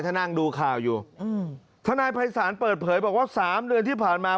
ถ้านั่งดูข่าวอยู่อืมทนายภัยศาลเปิดเผยบอกว่าสามเดือนที่ผ่านมา